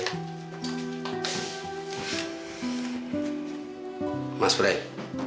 kalau mas praet